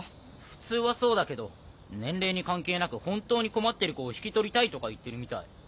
普通はそうだけど年齢に関係なく本当に困ってる子を引き取りたいとか言ってるみたい。